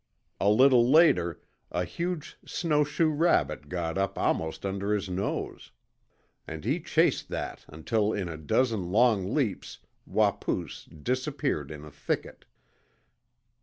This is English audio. A little later a huge snow shoe rabbit got up almost under his nose, and he chased that until in a dozen long leaps Wapoos disappeared in a thicket.